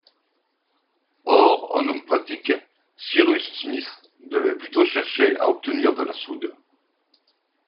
Or, en homme pratique, Cyrus Smith devait plutôt chercher à obtenir de la soude